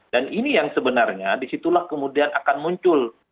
dan ini yang sebenarnya disitulah kemudian akan muncul